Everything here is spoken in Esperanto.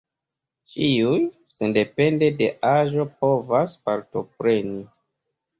Ĉiuj, sendepende de aĝo, povas partopreni.